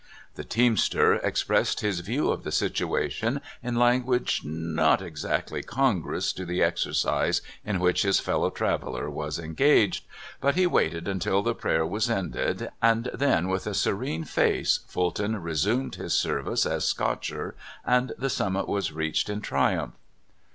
The teamster expressed his view of the situation in language not exactly congruous to the exercise 36 CALIFORNIA SKETCHES. in which his fellow traveler was engaged. But he waited until the prayer was ended, and then with a serene face Fulton resumed his service as scotcher, and the summit was reached in triumph.